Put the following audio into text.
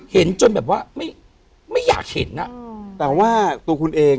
เห็นนะแต่ว่าตัวคุณเอง